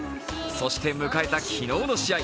そして、迎えた昨日の試合